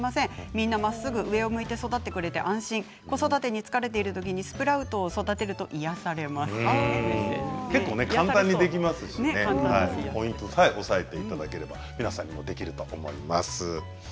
みんなまっすぐ上を向いて育ってくれて安心子育てで疲れたときにスプラウトを育てるとポイントさえ押さえていただければ皆さんできると思います。